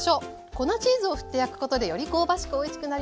粉チーズを振って焼くことでより香ばしくおいしくなります。